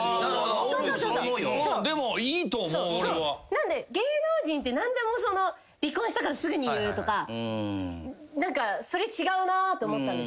なんで芸能人って何でも離婚したからすぐに言うとか何かそれ違うなって思ったんですよね